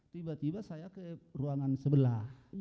tiba tiba saya ke ruangan sebelah